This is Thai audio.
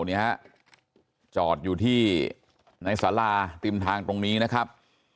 นี่ฮะจอดอยู่ที่ในสาราติมทางตรงนี้นะครับ